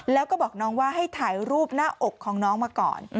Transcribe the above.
แล้วก็บอกน้องว่าให้ถ่ายรูปหน้าอกของน้องมาก่อน